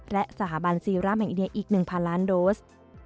และสถาบันซีรัมแห่งอินเดียอีก๑๐๐ล้านโดส